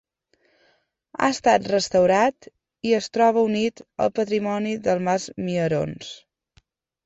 Ha estat restaurat i es troba unit al patrimoni del mas Mierons.